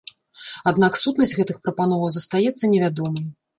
Аднак сутнасць гэтых прапановаў застаецца невядомай.